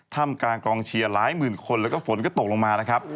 ทำกลางกองเชียร์หลายหมื่นคนแล้วก็ฝนก็ตกลงมานะครับ